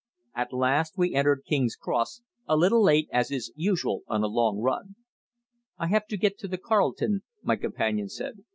At last we entered King's Cross a little late, as is usual on a long run. "I have to get to the Carlton," my companion said.